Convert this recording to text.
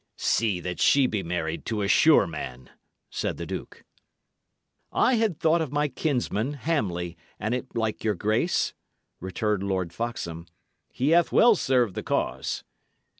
"See that she be married to a sure man," said the duke. "I had thought of my kinsman, Hamley, an it like your grace," returned Lord Foxham. "He hath well served the cause."